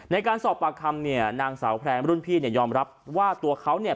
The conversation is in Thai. ในการสอบปากคำเนี่ยนางสาวแพรมรุ่นพี่เนี่ยยอมรับว่าตัวเขาเนี่ย